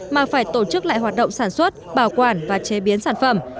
mà phải tổ chức lại hoạt động sản xuất bảo quản và chế biến sản phẩm